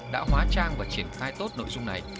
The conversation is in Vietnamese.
đã hóa trang và triển khai tốt nội dung này